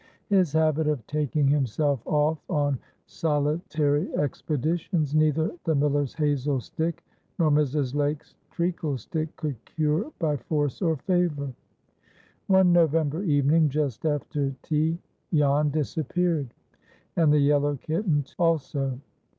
His habit of taking himself off on solitary expeditions neither the miller's hazel stick nor Mrs. Lake's treacle stick could cure by force or favor. One November evening, just after tea, Jan disappeared, and the yellow kitten also.